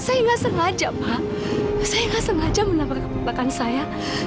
saya gak sengaja menampar kebobakan saya